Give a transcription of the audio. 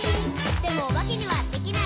「でもおばけにはできない。」